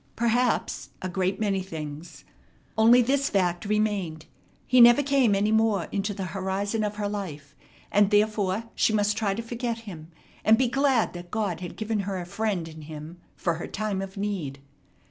Perhaps a great many things. Only this fact remained; he never came any more into the horizon of her life; and therefore she must try to forget him, and be glad that God had given her a friend in him for her time of need.